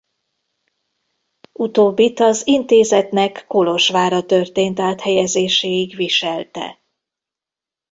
Utóbbit az intézetnek Kolozsvárra történt áthelyezéséig viselte.